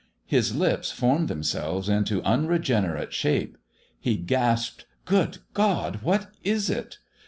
His lips formed themselves into unregenerate shape. He gasped: "Good God! What is it?"